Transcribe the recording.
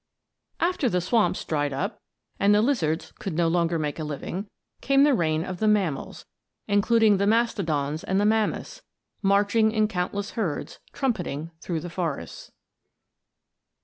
After the swamps dried up and the lizards could no longer make a living, came the reign of the mammals; including the Mastodons and the Mammoths, marching in countless herds, trumpeting through the forests.